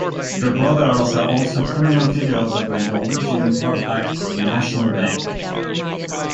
The brothers are also prominent figures of the Norwegian pop act The National Bank.